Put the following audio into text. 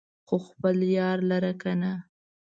خو خپل يار لره کنه